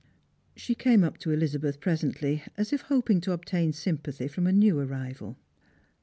She came up to Elizabeth presently, as if hoping to obtain sympathy from a new arrival.